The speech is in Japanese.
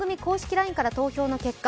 ＬＩＮＥから投票の結果